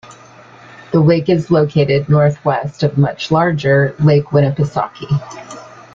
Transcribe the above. The lake is located northwest of much larger Lake Winnipesaukee.